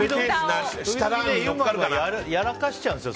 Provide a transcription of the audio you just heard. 優馬君やらかしちゃうんですよ